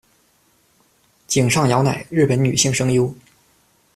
井上遥乃，日本女性声优。